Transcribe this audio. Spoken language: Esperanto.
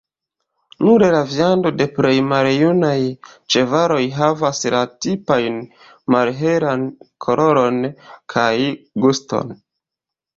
Nur la viando de plej maljunaj ĉevaloj havas la tipajn malhelan koloron kaj guston.